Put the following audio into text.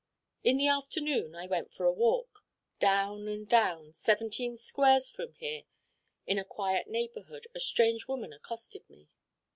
In the afternoon I went for a walk. Down and down, seventeen squares from here, in a quiet neighborhood a strange woman accosted me.